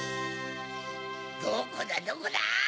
どこだどこだ？